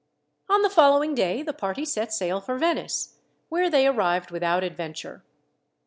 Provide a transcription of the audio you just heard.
On the following day the party set sail for Venice, where they arrived without adventure.